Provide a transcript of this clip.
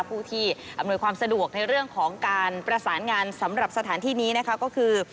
ผู้ที่อำนวยความสะดวกในเรื่องของการประสานงานสำหรับสถานที่นี้นะคะก็คือ